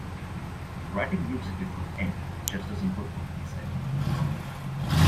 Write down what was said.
Writing music before the end just doesn't work for me, he said.